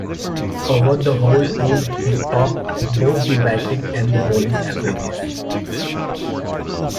Over the whole tour he topped both the batting and the bowling averages.